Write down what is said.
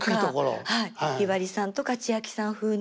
ひばりさんとかちあきさん風に。